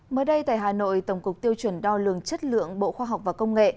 mới đây tại hà nội tổng cục tiêu chuẩn đo lường chất lượng bộ khoa học và công nghệ